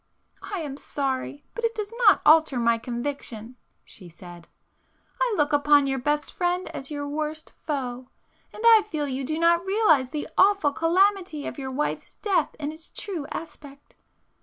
"I am sorry,—but it does not alter my conviction!"—she said—"I look upon your best friend as your worst foe. And I feel you do not realize the awful calamity of your wife's death in its true aspect.